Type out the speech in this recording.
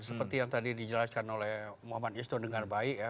seperti yang tadi dijelaskan oleh muhammad isto dengan baik ya